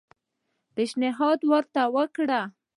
پېشنهاد ورته وکړ.